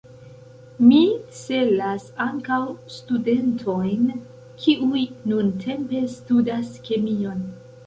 Mi celas ankaŭ studentojn kiuj nuntempe studas kemion.